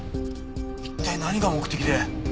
一体何が目的で。